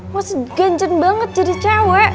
lo segancen banget jadi cewek